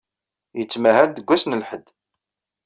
Yettmahal deg wass n lḥedd.